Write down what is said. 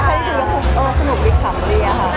แล้วว่าตอนถ่ายคำก็สนุกมาก